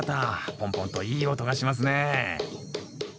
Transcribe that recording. ポンポンといい音がしますね